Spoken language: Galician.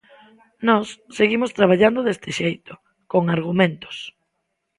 Nós seguimos traballando deste xeito, con argumentos.